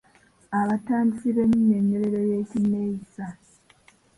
Abatandisi b’ennyinyonnyolero y’Ekinneeyisa